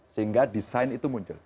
sehingga desain itu muncul